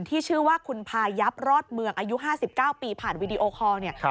ที่ชื่อว่าคุณพายับรอดเมืองอายุ๕๙ปีผ่านวีดีโอคอลเนี่ย